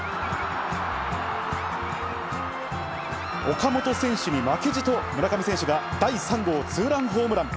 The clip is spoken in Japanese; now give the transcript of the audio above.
岡本選手に負けじと村上選手が第３号ツーランホームラン。